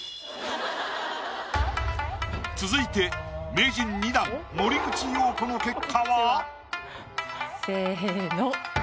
続いて名人２段森口瑤子の結果は？せの。